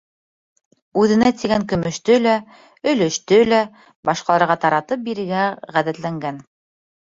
Үҙенә тигән көмөштө лә, өлөштө лә башҡаларға таратып бирергә ғәҙәтләнгән.